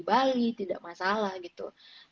bali tidak masalah gitu